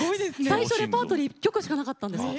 最初レパートリー１曲しかなかったんですよ。